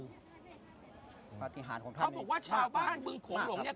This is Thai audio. ปฏิหารของท่านนี้มากเลยครับเขาบอกว่าชาวบ้านบึงโขงหลงนี่